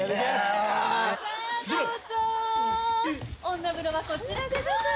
女風呂はこちらでございます。